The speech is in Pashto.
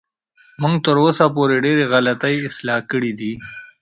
موږ تر اوسه پورې ډېرې غلطۍ اصلاح کړې دي.